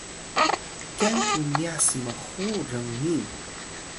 kyan ku niya smxu rngin